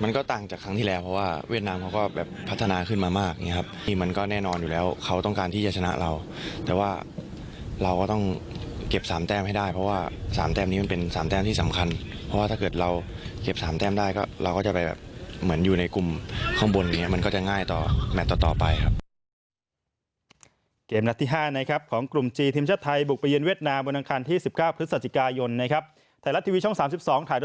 ต่างจากครั้งที่แล้วเพราะว่าเวียดนามเขาก็แบบพัฒนาขึ้นมามากอย่างนี้ครับนี่มันก็แน่นอนอยู่แล้วเขาต้องการที่จะชนะเราแต่ว่าเราก็ต้องเก็บ๓แต้มให้ได้เพราะว่า๓แต้มนี้มันเป็นสามแต้มที่สำคัญเพราะว่าถ้าเกิดเราเก็บ๓แต้มได้ก็เราก็จะไปแบบเหมือนอยู่ในกลุ่มข้างบนอย่างเงี้มันก็จะง่ายต่อแมทต่อต่อไปครับ